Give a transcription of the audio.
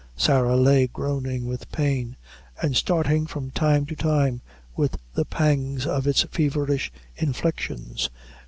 Sarah lay groaning with pain, and starting from time to time with the pangs of its feverish inflictions.